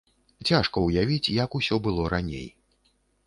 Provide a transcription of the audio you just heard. Цяжка ўявіць, як усё было раней.